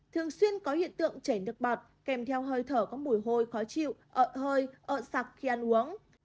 thường xuyên có hiện tượng chảy nước bọt kèm theo hơi thở có mùi hôi khó chịu hơi ợn sạc khi ăn uống